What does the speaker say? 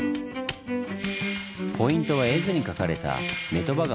ポイントは絵図に描かれた女鳥羽川。